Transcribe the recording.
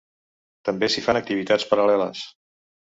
També s’hi fan activitats paral·leles.